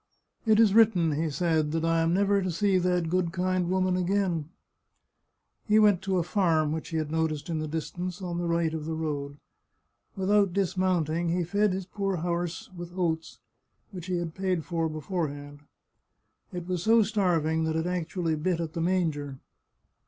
" It is written," he said, " that I am 67 The Chartreuse of Parma never to see that good kind woman again !" He went to a farm which he had noticed in the distance, on the right of the road. Without dismounting he fed his poor horse with oats, which he paid for beforehand. It was so starving that it actually bit at the manger.